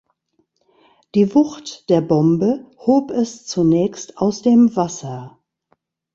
Die Wucht der Bombe hob es zunächst aus dem Wasser.